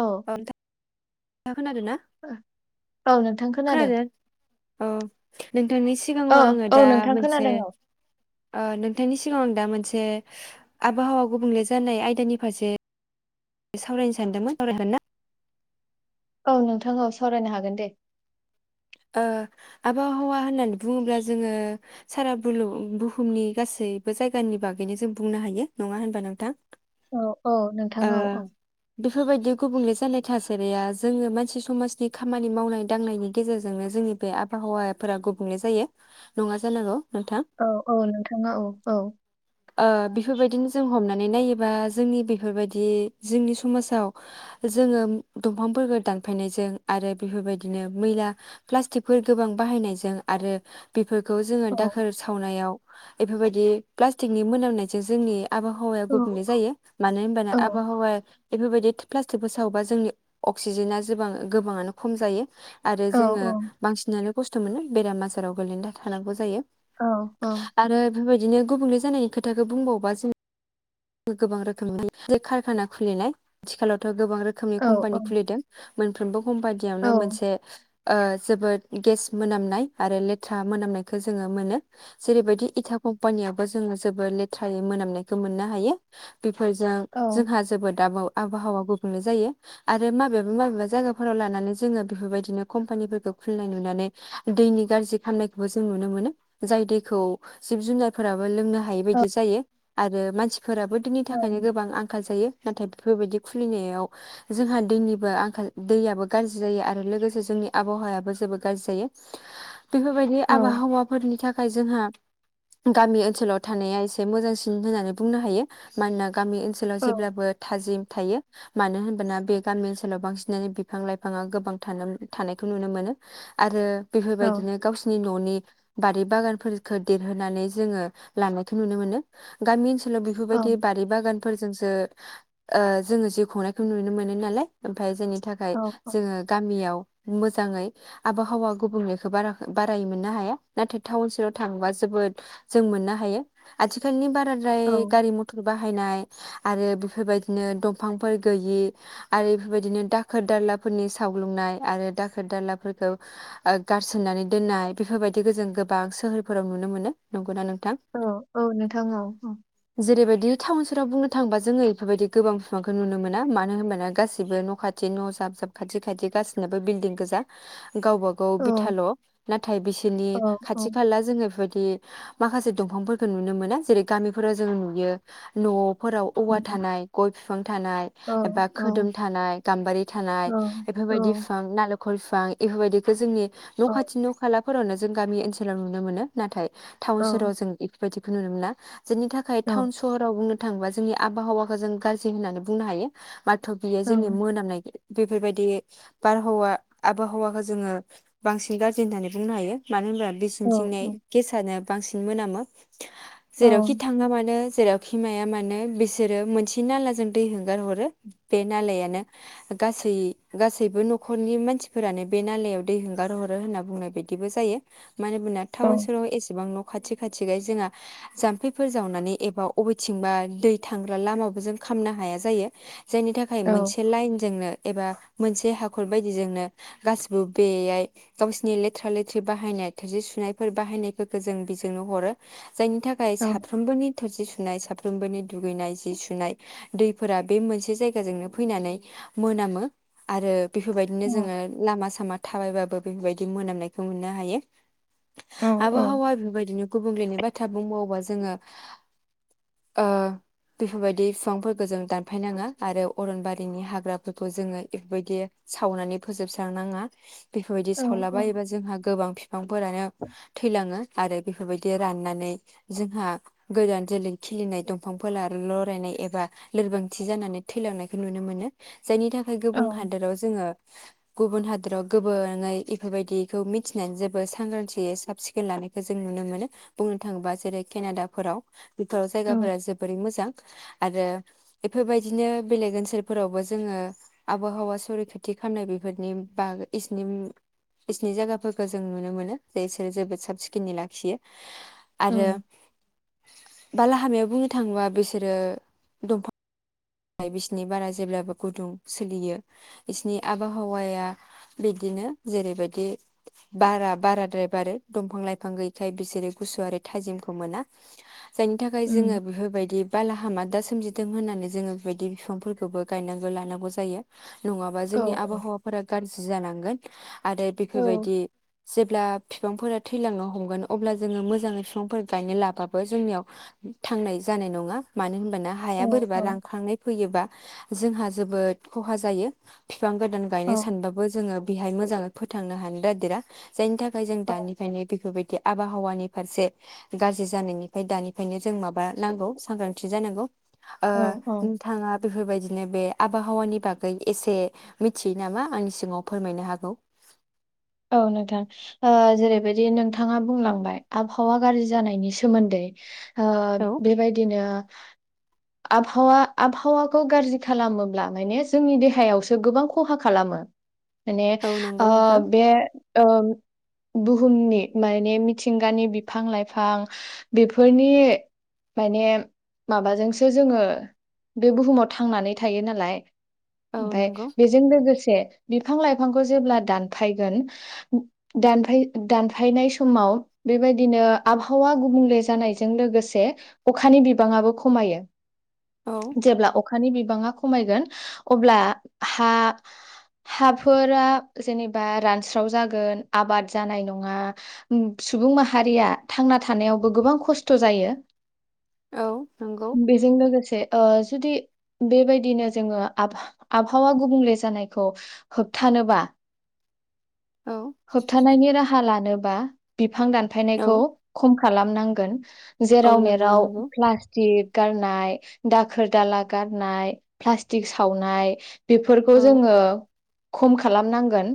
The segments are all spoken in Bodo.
औ। खोनादो ना? औ नोंथां खोनादों औ नोंथांनि औ सिगाङाव आङो औ दा नोंथां मोनसे खोनादों औ ओ नोंथांनि सिगाङाव आं दा मोनसे आबहावा गुबुंले जानाय आयदानि फारसे सावरायनो सानदोंमोन सावरायगोनना? औ नोंथां औ सावरायनो हागोन दे। ओ आबहावा होननानै बुङोब्ला जोङो सारा बुलु बुहुमनि गासैबो जायगानि बागैनो जों बुंनो हायो नङा होनबा नोंथां? औ औ नोंथां ओ औ औ। बेफोरबायदि गुबुंले जानाय थासारिया जोङो मानसि समाजनि खामानि मावनाय दांनायनि गेजेर जोंनो जोंनि बे आबहावाफोरा गुबुंले जायो नङा जानांगौ नोंथां औ औ नोंथाङा औ औ। ओ बेफोरबायदिनो जों हमनानै नायोबा जोंनि बेफोरबायदि जोंनि समाजाव जोङो दंफांफोरखो दानफायनायजों आरो बेफोरबादिनो मैला प्लास्टिकफोर गोबां बाहायनायजों आरो बेफोर खौ जोङो औ दाखोर सावनायाव एफोरबायदि प्लास थिकनि मोनामनायजों जोंनि आबहावाया औ गुबुंले जायो। मानो होनबानो औ आबहावा एफोरबायदि प्लास्टिकफोर सावबा जोंनि अक्सिजेना जोबां गोबाङानो खम जायो। आरो औ जोङो बांसिनानो खस्थ' मोनो बेराम आजाराव गोग्लैना थानांगौ जायो। औ औ आरो बेफोरबायदिनो गुबुंले जानायनि खोथाखौ बुंबावबा जों गोबां रोखोमनि जे कारखाना खुलिनाय आथिखालावथ' गोबां रोखोमनि औ औ कम्पानि खुलिदों मोनफ्रोमबो कम बाददियावनो मोनसे [unintelligible] [unintelligible] जोबोद गेस मोनामनाय आरो लेथ्रा मोनामनायखौ जोङो मोनो जेरैबायदि इटा कम्पानियावबो जों जोङो जोबोर लेथ्रायै मोनामनायखौ मोननो हायो बेफोरजों औ नोंथां जोंहा जोबोद दाबो आबहावा गुबुंले जायो आरो माबेबा माबेबा जायगाफोराव लानानै जोङो बेफोरबायदिनो कम्पानिफोरखौ खुलिनाय नुनानै दैनि गाज्रि खामनायखौबो जों नुनो मोनो जाय दैखौ जिब जुनारफोराबो लोंनो हायै बायदि औ जायो आरो मानसि फोराबो दैनि औ थाखायनो गोबां आंखाल जायो नाथाय बेफोरबायदि खुलिनायाव जोंहा दैनिबो आंखाल दैयाबो गाज्रि जायो आरो लोगोसे जोंनि आबहावायाबो जोबोद गाज्रि जायो बेफोरबायदि औ आबहावाफोरनि थाखाय थाखाय जोंहा गामि ओनसोल ओनसोलाव थानाया एसे मोजांसिन होननानै बुंनो हायो मानोना गामि ओनसोलाव औ जेब्लाबो थाजिम थायो मानो होनबोना बे गामि ओनसोलाव बांसिनानो बिफां लाइफाङा गोबां थानो थानायखौ नुनो मोनो आरो बेफोरबायदिनो औ गावसिनि न'नि बारि बागानफोरखौ देरहोनानै जोङो लानायखौ नुनो मोनो गामि ओनसोल बेफोरबायदि औ बारि बागान फोरजोंसो ओ जोङो जिउ खुंनायखौ नुनो मोनो नालाय ओमफ्राय जोंनि नि थाखाय जोङो गामियाव मोजाङै आबहावा गुबुंलेखौ बारायै मोननो हाया नाथाय टाउन सोहोराव थांबा जोबोद जों मोननो हायो आथिखालनि बाराद्राय गारि मथर बाहायनाय आरो बेफोरबायदिनो दंफांफोर गैयि आरो बेफोरबायदिनो दाखोर दालाफोरनि सावग्लुंनाय आरो दाखोर दालाफोरखौ गारसननानै दोननाय बेफोरबायदिखौ जों गोबां सोहोरफोराव नुनो मोनो नंगौना नोंथां औ औ नोंथां औ औ जेरैबायदि टाउन सोहोराव बुंनो थांङोबा जोङो बेफोरबायदि गोबां बिफांखौ नुनो मोना मानो होनबाना गासिबो न' खाथि न' जाब जाब खाथि खाथि गासिनाबो बिल्डिं गोजा गावबा गाव बिथाल' नाथाय बिसोरनि खाथि खाला जोङो बे माखासे दंफांफोरखौ नुनो मोना जेरै गामिफोराव जों नुयो न' फोराव औवा थानाय गय बिफां थानाय एबा खोदोम थानाय गाम्बारि थानाय बेफोरबायदि बिफां नालेंखर गय बिफां बेफोरबायदिखौ जोंनि न' खाथि न' खाला फोरावनो जों गामि ओनसोलाव नुनो मोनो नाथाय टाउन सोहोराव जों बिदिखौ नुनो मोना। जोंनि थाखाय टाउन सहराव बुंनो थाङोबा जोंनि आबहावाखौ जों गाज्रि होननानै बुंनो हायो। माथ' बियो जोंनि मोनामनाय बेफोरबायदि बारहावा आबहावाखौ जोङो बांसिन गाज्रि होननानै बुंनो हायो मानो होनब्ला बेसेनथिंनाय गेसानो बांसिन मोनामो। जेरावखि थाङा मानो जेरावखिमाया मानो बिसोरो मोनसे नालाजों दै हगार हरो बे नालायानो गासै गासैबो न'खरनि मानसिफोरानो बे नालायाव दै हगार हरो होनना बुंनाय बायदिबो जायो। [unintelligible] टाउन सहराव एसेबां न' खाथि खाथि खाय जोंहा जाम्फैफोर जावनानै एबा अबेथिंबा दै थांग्रा लामाबो जों खामनो हाया जायो। जायनि थाखाय औ मोनसे लाइनजोंनो एबा मोनसे हाखर बायदिजोंनो गासिबो बेयाय गावसिनि लेथ्रा लेथ्रि बाहायनाय थोरसि सुनायफोर बाहायनायफोरखौ जों बेजोंनो हरो। जायनि थाखाय औ साफ्रोमबोनि थुरजि सुनाय सा साफ्रोमबोनि दुगैनाय जि सुनाय दैफोरा बे मोनसे जायगाजोंनो फैनानै मोनामो आरो औ बेफोरबायदिनो जोङो लामा थाबायबाबो बेफोरबायदि मोनामनायखौ मोननो हायो। औ औ आबहावा बिबायदिनो गुबुंलेनि बाथ्रा बुंबावोबा जोङो ओ बेफोरबायदि बिफांफोरखौ जों दानफायनाङा आरो अरनबारिनि हाग्राफोरखौ जोङो बेफोरबायदि सावनानै फोजोबस्रांनाङा। बेफोरबायदि औ औ उम सावलाबायोबा एबा जोंहा गोबां बिफांफोरानो थैलाङो। आरो बेफोरबायदि राननानै जोंहा गोदान जोलै खिलिनाय दंफांफोरा लरायनाय एबा लोरबांथि जानानै थैलांनायखौ नुनो मोनो। जायनि थाखाय औ गुबुन हादोराव जोङो गुबुन हादराव गोबाङै बेफोरबायदिखौ मिथिनानै जेबो सांग्रांथियै साब सिखोन लानायखौ जों नुनो मोनो। बुंनो थाङोबा जेरै केनाडाफोराव बेफोराव औ जायगाफोरा जोबोरै मोजां आरो बेफोरबायदिनो बेलेग ओनसोलफोरावबो जोङो आबहावा संरैखाथि खालामनाय बेफोरनि बागनि इसोरनि इसोरनि जायगाफोरखौ जों नुनो मोनो जे इसोरो जोबोद साब सिखोनै लाखियो। आरो बालाहामायाव बुंनो थाङोबा बिसोरो दंफां बिसोरनि बारा जेब्लाबो गुदुं सोलियो बिसोरनि आबहावाया बिदिनो जेरैबायदि बारा बाराद्राय बारो दंफां लाइफां गैखाय बिसोरो गुसुवारि थाजिमखौ मोना। जायनि थाखाय जोङो बेफोरबायदि बाला हामा दा सोमजिदों होननानै जोङो बायदि बिफांफोरखौबो गायनांगौ लानांगौ जायो। नङाबा जोंनि आबहावाफोरा गाज्रि जालांगोन। आरो बेफोरबायदि जेब्ला फिफांफोरा थैलांनो हमगोन। अब्ला जोङो मोजाङै फिफांफोर गायनो लाबाबो जोंनियाव थांनाय जानाय नङा मानो होन [unintelligible] हाया बोरैबा औ रांखांनाय [unintelligible] जोंहा जोबोद खहा जायो। फिफां गोदान गायनो सानबाबो जोङो बेहाय मोजां जोङो फोथायनो हानोरादेरा जायनि [unintelligible] [unintelligible] जों दानिफ्रायनो बिफोरबायदि आबहावानि फारसे गाज्रि जानायनिफ्राय दानिफ्रायनो जों माबा नांगौ सांग्रांथि जानांगौ। ओ औ नोंथाङा बेफोरबायदि [unintelligible] बे आबहावानि बागै एसे मिथियो नामा आंनि सिगाङाव फोरमायनो हागौ। औ नोंथां, ओ जेरैबायदि नोंथाङा बुंलांबाय आबहावा गाज्रि जानायनि सोमोन्दै। ओ बेबायदिनो आबहावा आबहावाखौ गाज्रि खालामोब्ला माने जोंनि देहायावसो गोबां खहा खालामो। माने औ नंगौ ओ नोंथां बे ओ बुहुमनि माने मिथिंगानि बिफां -लाइफां बेफोरनि माने माबाजोंसो जोङो बे बुहुमाव थांनानै थायो नालाय। औ ओमफाय नंगौ बेजों लोगोसे बिफां -लाइफांखौ जेब्ला दान -फायगोन दानफाय -दानफायनाय समाव बेबायदिनो आबहावा गुबुंले जानायजों लोगोसे अखानि बिबांङाबो खमायो। औ जेब्ला अखानि बिबाङा खमायगोन अब्ला हा-हाफोरा जेने [unintelligible] रानस्राव जागोन आबाद जानाय नङा सुबुं माहारिया थांना थानायावबो गोबां खस्थ' जायो। औ नंगौ बेजों लोगोसे ओ जुदि बेबायदिनो जोङो आबफा -आबहावा गुबुंले जानायखौ होबथानोबा औ होबथानायनि राहा लानो बा बि [unintelligible] औ दानफायनायखौ खम खालामनांगोन। औ जेराव नंगौ मेराव नंगौ प्लास्टिक गारनाय दाखोर दाला गारनाय प्लास्टिक सावनाय बेफोरखौ औ जोङो खम खालामनांगोन।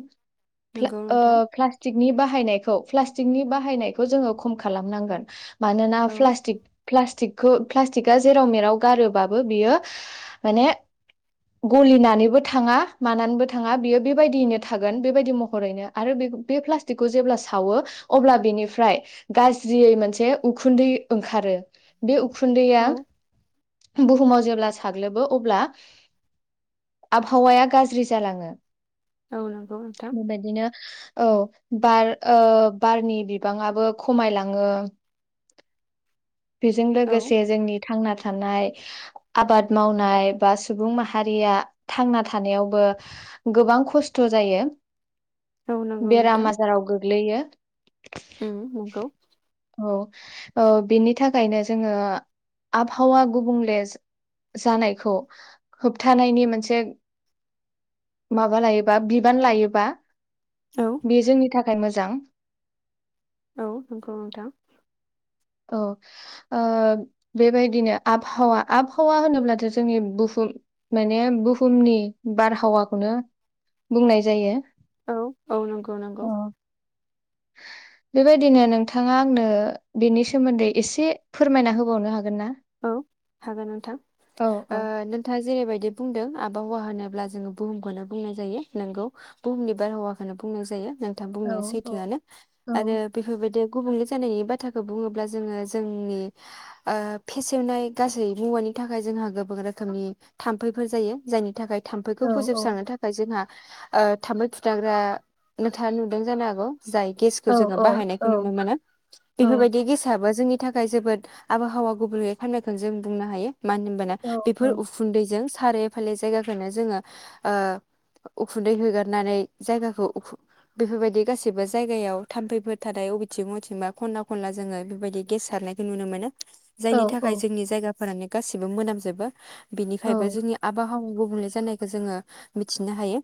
प्ला नंगौ नोंथां ओ प्लासथिक बाहायनायखौ प्लासटिकनि बाहायनायखौ जोङो खम खालामनांगोन मानोना औ प्लास्टिक प्लास्टिकखौ प्लास्टिकआ जेराव मेराव गारोबाबो बियो माने गलिनानैबो थाङा मानानैबो थाङा बियो बेबायदियैनो बेबायदि महरैनो आरो बे बे प्लासटिकखौ जेब्ला सावो अब्ला बेनिफ्राय गाज्रियै मोनसे उखुन्दै ओंखारो बे उखुन्दैया औ बुहुमाव जेब्ला साग्लोबो अब्ला आबहावाया गाज्रि जालाङो औ नंगौ नोंथां बेबायदिनो औ बार बारनि बिबाङाबो खमायलाङो बेजों औ लोगोसे जोंनि थांना थानाय आबाद मावनाय बा सुबुं माहारिया थांना थानायावबो गोबां खस्थ' जायो औ नंगौ बेराम नोंथां आजाराव गोग्लैयो उम नंगौ औ बिनि थाखायनो जोङो आबहावा गुबुंले जानायखौ होबथानायनि मोनसे माबा लायो बा बिबान लायोबा औ बेयो जोंनि थाखाय मोजां जां औ नंगौ नोंथां औ बेबायदिनो आबहावा आबहावा होनोब्लाथ जोंनि बुहुम माने बुहुमनि बारहावाखौनो बुंनाय जायो औ औ नंगौ नंगौ अ बेबायदिनो नोंथाङा आंनो बेनि सोमोन्दै एसे फोरमायना होबावनो हागोन ना औ हागोन नोंथां औ औ नोंथाङा जेरैबायदि बुंदों आबहावा होनोब जोङो बुहुमखौनो बुंनाय जायो नोंगौ बुहुमनि बारहावाखौनो बुंनाय जायो नोंथां औ बुंनाया औ सैथोआनो औ आरो बेफोरबायदि गुबुंले जानायनि बाथ्राखौ बुङोब्ला जोङो जोंनि फेसेवनाय गासै मुवानि थाखाय जोंहा गोबां रोखोमनि थाम्फैफोर जायो जायनि थाखाय थाम्फैखौ औ फोजोबस्रांनो थाखाय जोंहा थाम्फै फुथारग्रा नोंथाङा नुदों जानो हागौ जाय गेसखौ औ जोङो औ बाहायनायखौ नुनो मोनो औ बेफोरबायदि गेसाबो जोंनि नि थाखाय जोबोद आबहावा गुबुंले खालामनायखौनो जों बुंनो हायो मानो होनबाना औ बेफोर औ उखुन्दैजों सारफाले जायगाखौनो जोङो उखुन्दै होगारनानै जायगाखौ बेफोरबायदि गासैबो जायगायाव थाम्फैफोर थानाय अबेथिं अबेथिंबा खनला खनला जोङो बेफोरबायदि गेस सारनायखौ नुनो मोनो औ जायनि थाखाय औ जोंनि जायगा फोरानो गासिबो मोनामजोबो बिनिखायबो औ जोंनि आबहावा आबहावा गुबुंले जानायखौ जोङो मिथिनो हायो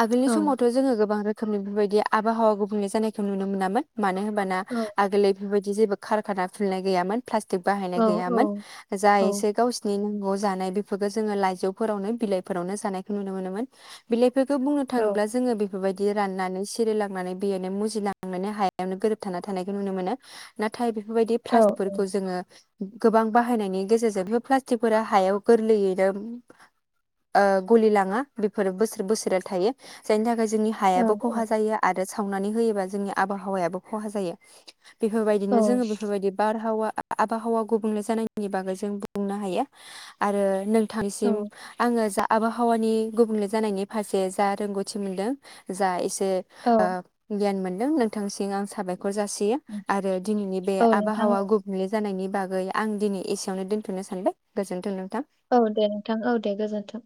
आगोलनि औ समावथ' जोङो गोबां रो खोमनि बेफोरबायदि आबहावा गुबुंले जानायखौ नुनो मोनामोन। मानो होमबाना औ आगोलै बेफोरबायदि जेबो खारखाना खुलिनाय गैयामोन। प्लास्टिक औ बाहायनाय औ गैयामोन जा औ एसे गावसिनि ग' जानाय बेफोरखौ जोङो लाइजौफोरावनो बिलाइफोरावनो जानायखौ नुनो मोनोमोन। बिलाइ बेखो बुंनो औ थाङोब्ला जोङो बे फोरबायदि राननानै सिरिलांनानै बेनो मुजिलांनोनो हायावनो गोरोबथा थानायखौ नुनो मोनो। नाथाय बे फोरबायदि प्लास [unintelligible] ओ गोबां बाहायनायनि गेजेरजों बेफोर प्लासथिकफोरा हायाव गोरलैयैनो ओ गलिलाङा बेफोर बोसोर बोसोरे थायो जायनि थाखाय जो ङोनि औ हायाबो खहा जायो आ दा सावनानै होयोबा जोंनि आबहावायाबो खहा जायो। बेफोरबायदिनो जोङो बेफोरबायदि बार हावा [unintelligible] आबहावा गुबुंले जानायनि बागै जों बुंनो हायो आरो नों औ थांसिम आङो जा आबहावानि गुबुंले जानायनि फारसे जा रोंगौथि मोनदों जा एसे ए औ ओ गियान मोन दों नोंथांसिं आं साबाय खर जासियो आरो दिनैनि बे औ नोंथां आबहावा गु जानायनि बागै आं दिनि एसेयावनो दोनथ'नो सानबाय गोजोन्थों नों औ दे नोंथां औ दे गोजोन्थों।